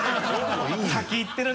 先行ってるな